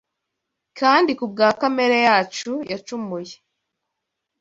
Kandi kubwa kamere yacu yacumuye,